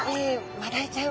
マダイちゃん！